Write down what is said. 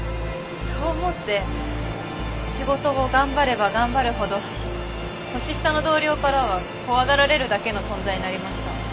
そう思って仕事を頑張れば頑張るほど年下の同僚からは怖がられるだけの存在になりました。